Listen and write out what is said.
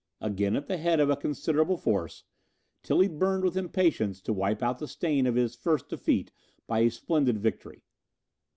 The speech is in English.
Again at the head of a considerable force, Tilly burned with impatience to wipe out the stain of his first defeat by a splendid victory.